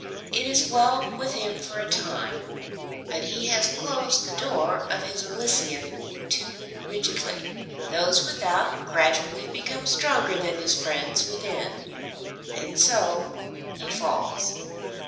It is well with him for a time; but he has closed the door of his Elysium too rigidly. Those without gradually become stronger than his friends within, and so he falls.